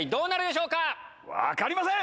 分かりません。